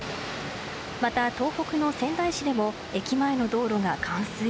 また、東北の仙台市でも駅前の道路が冠水。